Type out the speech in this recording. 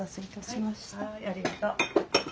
はいありがとう。